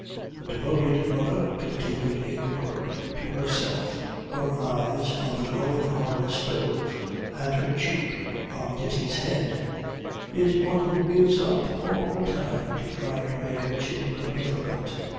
"A devoted mother," continued Ingeborg to herself, her eyes on the glowing heart of the stove and her cheek on Ditti's head, "is one who gives up all her time to trying to make her children different."